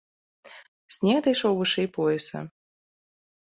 Снег дайшоў вышэй пояса.